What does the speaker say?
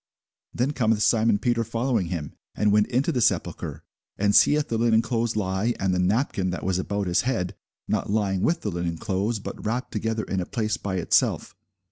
Then cometh Simon Peter following him, and went into the sepulchre, and seeth the linen clothes lie, and the napkin, that was about his head, not lying with the linen clothes, but wrapped together in a place by itself.